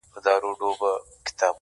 هېري له ابا څه دي لنډۍ د ملالیو-